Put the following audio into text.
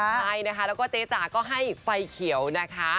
ใช่นะคะแล้วก็เจ๊จ๋าก็ให้ไฟเขียวนะคะ